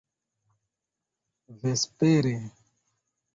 vespere